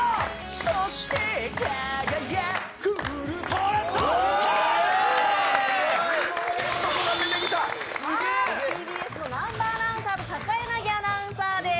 そして輝くウルトラソウルＴＢＳの南波アナウンサーと高柳アナウンサーです。